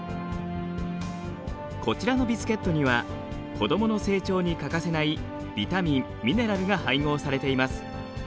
こちらのビスケットには子どもの成長に欠かせないビタミンミネラルが配合されています。